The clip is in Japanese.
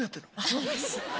そうです。